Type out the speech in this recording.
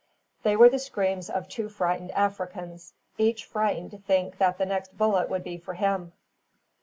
They were the screams of two frightened Africans, each frightened to think that the next bullet would be for him.